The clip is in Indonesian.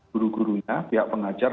guru gurunya pihak pengajar